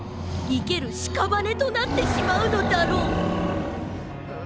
いけるしかばねとなってしまうのだろう」。